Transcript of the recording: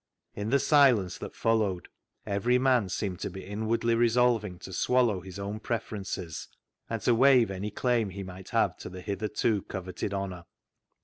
In the silence that followed every man seemed to be inwardly resolving to swallow his own preferences and to waive any claim he might have to the hitherto coveted honour.